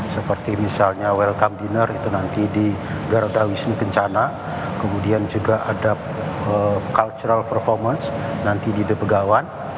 seperti misalnya welcome dinner itu nanti di garda wisnu kencana kemudian juga ada cultural performance nanti di the begawan